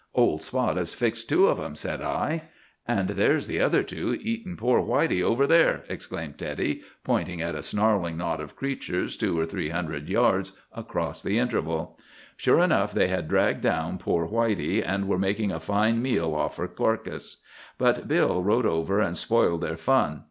"'Old Spot has fixed two of 'em,' said I. "'And there's the other two eating poor Whitey over there,' exclaimed Teddy, pointing at a snarling knot of creatures two or three hundred yards across the interval. "Sure enough, they had dragged down poor Whitey and were making a fine meal off her carcass. But Bill rode over and spoiled their fun.